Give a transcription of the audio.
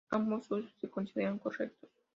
Ambos usos se consideran correctos.